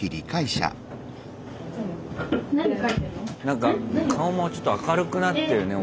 何か顔もちょっと明るくなってるね